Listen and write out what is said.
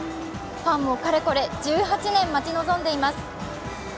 ファンもかれこれ１８年待ち望んでいます。